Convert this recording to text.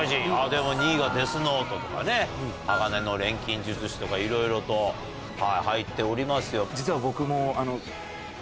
でも２位がデスノートとかね、鋼の錬金術師とか、いろいろと入っておりますけど。